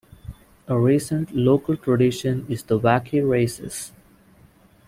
A recent local tradition is the Wacky Races.